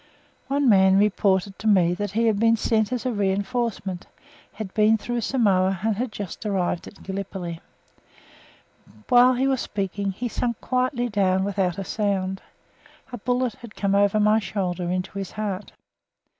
One man reported to me that he had been sent as a reinforcement, had been through Samoa, and had just arrived in Gallipoli. While he was speaking, he sank quietly down without a sound. A bullet had come over my shoulder into his heart.